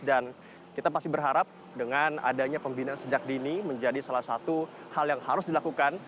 dan kita pasti berharap dengan adanya pembinaan sejak dini menjadi salah satu hal yang harus dilakukan